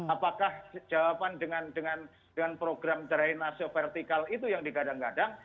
apakah jawaban dengan program cerahi nasio vertikal itu yang digadang gadang